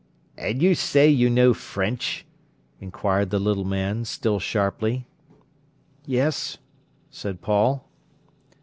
"And you say you know French?" inquired the little man, still sharply. "Yes," said Paul.